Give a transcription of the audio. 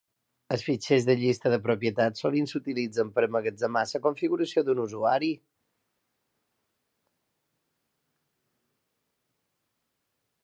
Els fitxers de llista de propietats sovint s'utilitzen per emmagatzemar la configuració d'un usuari.